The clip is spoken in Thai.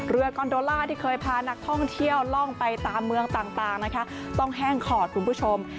คอนโดล่าที่เคยพานักท่องเที่ยวล่องไปตามเมืองต่างนะคะต้องแห้งขอดคุณผู้ชม